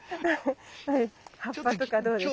葉っぱとかどうですか？